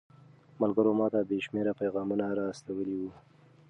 ملګرو ماته بې شمېره پيغامونه را استولي وو.